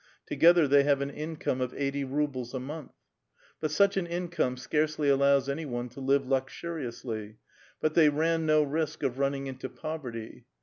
Together they have an income of eighty rubles a month. But such an income scarcely allows any one to live luxuriously, but the}' ran no risk of running into poverty.